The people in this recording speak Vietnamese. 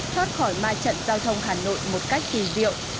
thoát khỏi ma trận giao thông hà nội một cách kỳ diệu